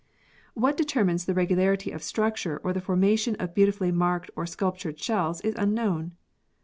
What determines the regularity of structure or the formation of beautifully marked or sculptured shells is unknown.